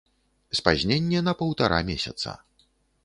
Спазненне на паўтара месяца.